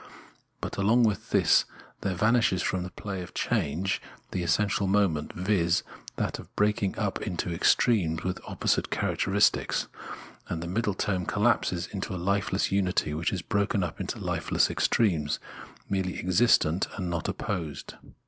But along with this there vanishes from the play of change, the essential moment, viz. that of breaking up into extremes with opposite characteris tics ; and the middle term collapses into a hfeless unity which is broken up into hfeless extremes, merely existent and not opposed.